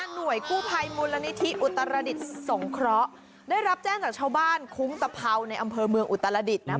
หน่วยกู้ภัยมูลนิธิอุตรดิษฐ์สงเคราะห์ได้รับแจ้งจากชาวบ้านคุ้งตะเผาในอำเภอเมืองอุตรดิษฐ์นะ